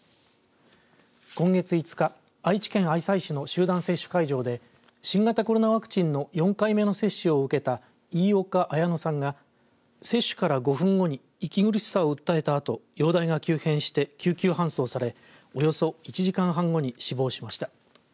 今月５日、愛知県愛西市の集団接種会場で新型コロナワクチンの４回目の接種を受けた飯岡綾乃さんが接種から５分後に息苦しさを訴えたあと容体が急変して救急搬送されおよそ１時間半後に死亡しました。